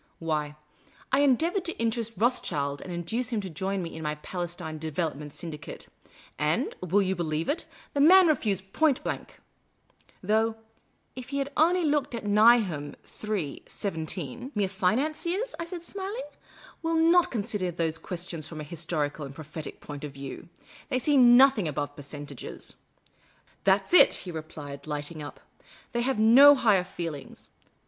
Why, I endeavoured to interest Rothschild and induce him to join me in my Palestine Development Syndicate, and, will you believe it, the man refused point blank, Though if he had only looked at Nahum iii. 17 "" Mere financiers," I said, smiling, " will not consider these questions from a historical and prophetic point of view. They see nothing above percentages." " That 's it," he replied, lighting up. " They have no higher feelings.